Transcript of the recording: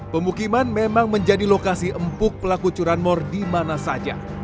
pemukiman memang menjadi lokasi empuk pelaku curanmor di mana saja